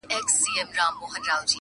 نا امیده له درمل مرګ ته یې پام سو-